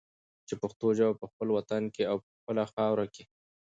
چې پښتو ژبه په خپل وطن کې او په خپله خاوره کې